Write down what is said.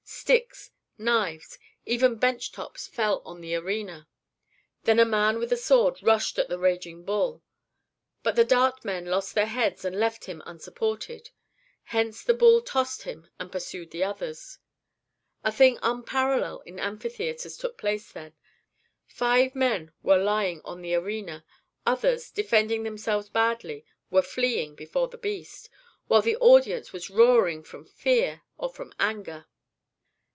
Sticks, knives, even bench tops fell on the arena. Then a man with a sword rushed at the raging bull. But the dart men lost their heads and left him unsupported; hence the bull tossed him and pursued the others. A thing unparalleled in amphitheatres took place then: five men were lying on the arena; others, defending themselves badly, were fleeing before the beast, while the audience was roaring from fear or from anger.